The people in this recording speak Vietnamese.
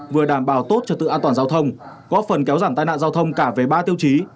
vừa đảm bảo tốt cho tự an toàn giao thông góp phần kéo giảm tai nạn giao thông cả về ba tiêu chí